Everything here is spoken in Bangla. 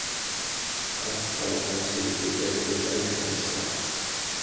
আজকালকার শিল্পীদের এটাই সমস্যা।